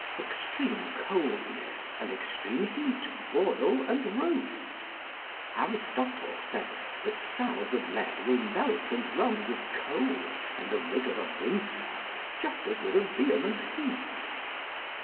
Extreme coldness and extreme heat boil and roast. Aristotle says, that sows of lead will melt and run with cold and the rigour of winter just as with a vehement heat.